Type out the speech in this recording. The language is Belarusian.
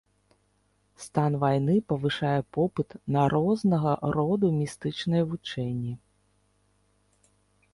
Стан вайны павышае попыт на рознага роду містычныя вучэнні.